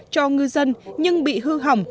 cho ngư dân nhưng bị hư hỏng